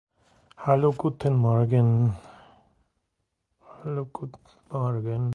The conflict was centered in the Paquisha, Mayaycu and Manchinaza localities.